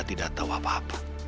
tidak tahu apa apa